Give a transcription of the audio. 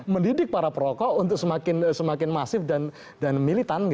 mendidik para perokok untuk semakin masif dan militan